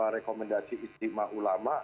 rekomendasi istimewa ulama